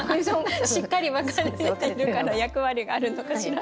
しっかり分かれているから役割があるのかしら？